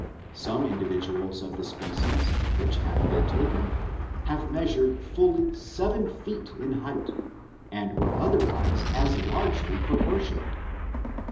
Some individuals of the species, which have been taken, have measured full seven feet in height, and were otherwise as largely proportioned.